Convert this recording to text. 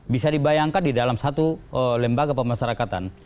bisa dibayangkan di dalam satu lembaga pemasarakatan